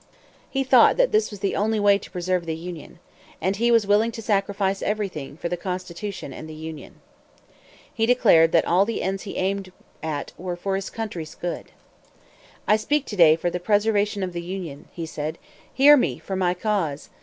He thought that this was the only way to preserve the Union. And he was willing to sacrifice everything for the Constitution and the Union. He declared that all the ends he aimed at were for his country's good. "I speak to day for the preservation of the Union," he said. "Hear me for my cause!